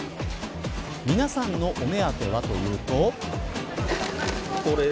皆さんのお目当ては、というと。